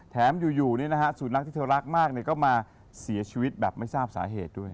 แถมอยู่นี่นะฮะสูตรลักษณ์ที่เธอรักมากเนี่ยก็มาเสียชีวิตแบบไม่ทราบสาเหตุด้วย